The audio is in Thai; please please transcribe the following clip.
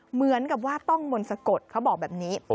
เหมือนกับว่าต้องมนต์สะกดเขาบอกแบบนี้